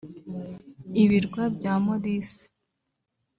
Ibirwa bya Maurice